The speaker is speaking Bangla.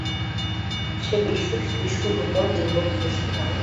যে বিশেষ টিস্যুর উপর ডিম্বক সৃষ্টি হয় তাকে কী বলে?